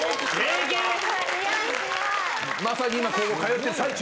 まさに今高校通ってる最中。